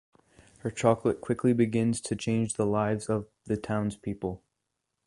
Her chocolate quickly begins to change the lives of the townspeople.